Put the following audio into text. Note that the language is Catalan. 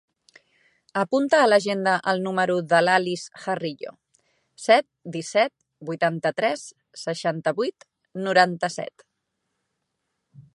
Apunta a l'agenda el número de l'Alice Jarillo: set, disset, vuitanta-tres, seixanta-vuit, noranta-set.